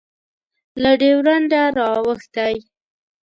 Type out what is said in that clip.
له ډیورنډه رااوښتی